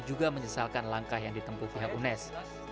juga menyesalkan langkah yang ditempuh pihak unes